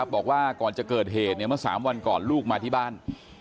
บอกว่าก่อนจะเกิดเหตุเมื่อ๓วันก่อนลูกมาที่บ้าน